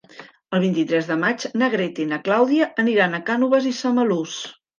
El vint-i-tres de maig na Greta i na Clàudia aniran a Cànoves i Samalús.